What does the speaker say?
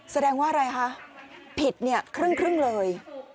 แสดงว่าอะไรฮะผิดครึ่งเลย